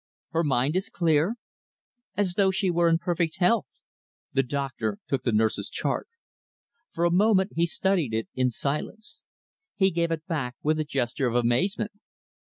"Her mind is clear?" "As though she were in perfect health." The doctor took the nurse's chart. For a moment, he studied it in silence. He gave it back with a gesture of amazement.